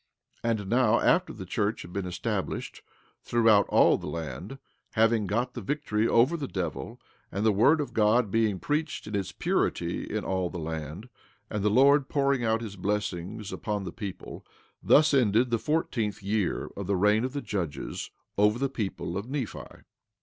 16:21 And now after the church had been established throughout all the land—having got the victory over the devil, and the word of God being preached in its purity in all the land, and the Lord pouring out his blessings upon the people—thus ended the fourteenth year of the reign of the judges over the people of Nephi.